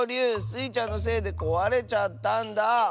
スイちゃんのせいでこわれちゃったんだ。